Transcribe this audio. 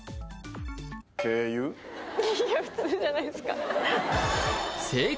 軽油普通じゃないですか？